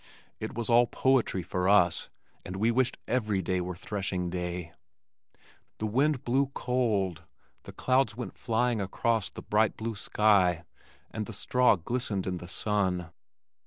It was all poetry for us and we wished every day were threshing day. The wind blew cold, the clouds went flying across the bright blue sky, and the straw glistened in the sun.